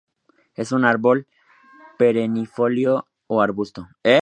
Es un árbol perennifolio o arbusto.